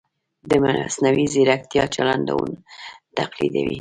د مصنوعي ځیرکتیا چلندونه تقلیدوي.